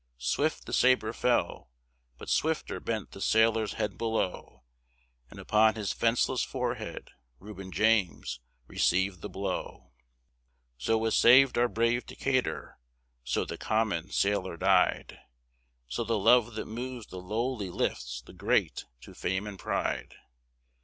Swift the sabre fell, but swifter bent the sailor's head below, And upon his 'fenceless forehead Reuben James received the blow! So was saved our brave Decatur; so the common sailor died; So the love that moves the lowly lifts the great to fame and pride.